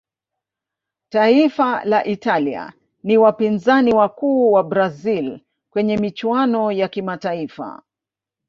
taifa la italia ni wapinzani wakuu wa brazil kwenye michuano ya kimataifa